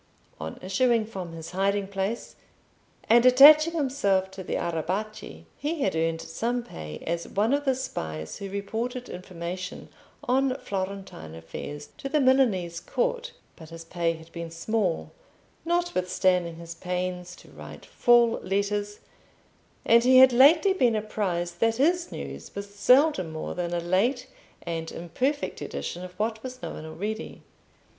On issuing from his hiding place, and attaching himself to the Arrabbiati, he had earned some pay as one of the spies who reported information on Florentine affairs to the Milanese court; but his pay had been small, notwithstanding his pains to write full letters, and he had lately been apprised that his news was seldom more than a late and imperfect edition of what was known already.